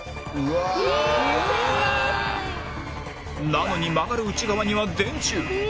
なのに曲がる内側には電柱